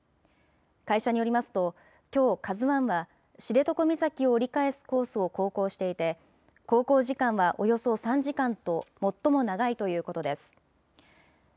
会社によりますと、きょう、ＫＡＺＵわんは、知床岬を折り返すコースを航行していて、航行時間はおよそ３時間と、最も長いということです。